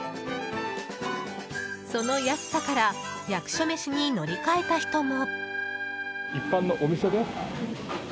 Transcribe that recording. その安さから役所メシに乗り換えた人も。